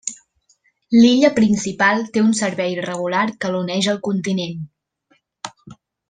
L'illa principal té un servei regular que l'uneix al continent.